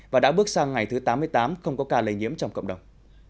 và đã bước sang ngày thứ tám mươi tám không có ca lây nhiễm trong cộng đồng